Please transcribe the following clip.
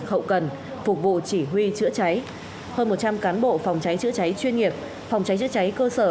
hậu cần phục vụ chỉ huy chữa cháy hơn một trăm linh cán bộ phòng cháy chữa cháy chuyên nghiệp phòng cháy chữa cháy cơ sở